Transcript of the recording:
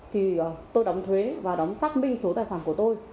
thì tôi đóng thuế và đóng tắc minh số tài khoản của tôi